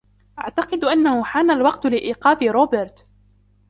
أعتقد أنهُ حان الوقت لإيقاظ روبِرت!